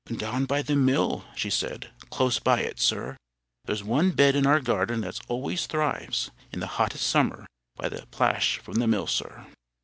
"Down by the mill," she said; "close by it, sir. There's one bed in our garden that always thrives, in the hottest summer, by the plash from the mill, sir."